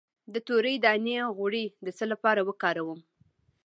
د تورې دانې غوړي د څه لپاره وکاروم؟